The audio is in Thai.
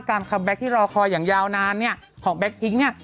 การคัมแบ็คที่รอคอยอย่างยาวนานเนี่ยของแบล็กพิงก์เนี่ย